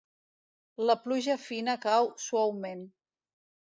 La pluja fina cau suaument.